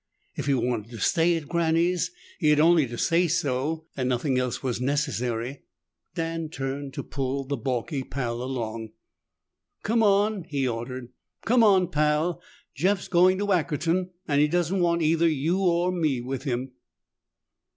If he wanted to stay at Granny's, he had only to say so and nothing else was necessary. Dan turned to pull the balky Pal along. "Come on!" he ordered. "Come on, Pal! Jeff's going to Ackerton and he doesn't want either you or me with him!"